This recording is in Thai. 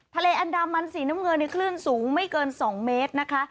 ทะเลอันดามันสีน้ำเงินในคลื่นสูงไม่เกิน๒เมตรนะคะ